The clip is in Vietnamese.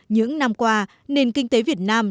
những năm qua nền kinh tế việt nam